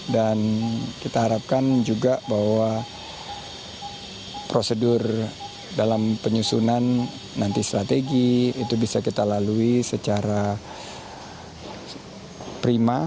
dan kita harapkan juga bahwa prosedur dalam penyusunan nanti strategi itu bisa kita lalui secara prima